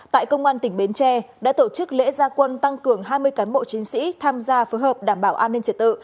tại công an tỉnh bến tre đã tổ chức lễ gia quân tăng cường hai mươi cán bộ chiến sĩ tham gia phối hợp đảm bảo an ninh trật tự